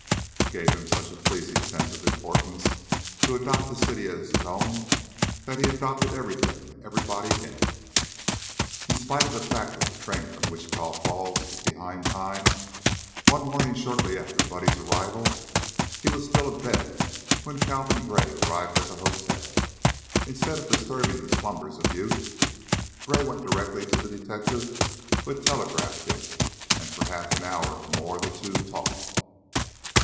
It gave him such a pleasing sense of importance to adopt the city as his own that he adopted everything and everybody in it. In spite of the fact that the train from Wichita Falls was behind time, one morning shortly after Buddy's arrival, he was still abed when Calvin Gray arrived at the hotel. Instead of disturbing the slumbers of youth, Gray went directly to the detective who had telegraphed him, and for half an hour or more the two talked.